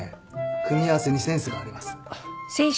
組み合わせにセンスがあります。